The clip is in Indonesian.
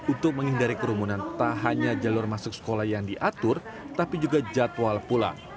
untuk menghindari kerumunan tak hanya jalur masuk sekolah yang diatur tapi juga jadwal pulang